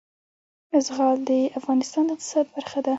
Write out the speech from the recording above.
زغال د افغانستان د اقتصاد برخه ده.